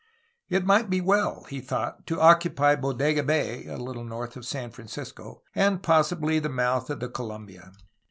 It might be well, he thought, to occupy Bodega Bay (a little north of San Francisco) and possibly the mouth of the Columbia.